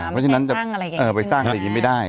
ไม่ได้สร้างอะไรแบบนี้